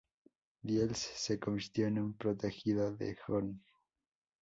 Diels se convirtió en un protegido de Göring.